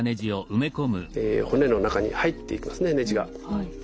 骨の中に入っていきますねねじが。